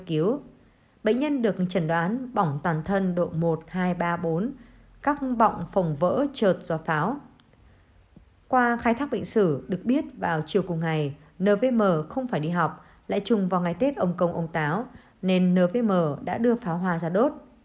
qua khai thác bệnh sử được biết vào chiều cùng ngày nvm không phải đi học lại chung vào ngày tết ông công ông táo nên nvm đã đưa pháo hoa ra đốt